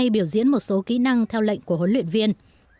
biểu diễn một số kỹ năng theo lệnh của huấn luyện viên